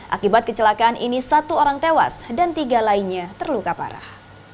akibat kecelakaan ini satu orang tewas dan tiga lainnya terluka parah